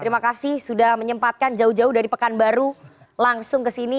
terima kasih sudah menyempatkan jauh jauh dari pekan baru langsung kesini